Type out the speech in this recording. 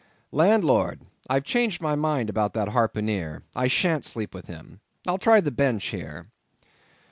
"Landlord! I've changed my mind about that harpooneer.—I shan't sleep with him. I'll try the bench here."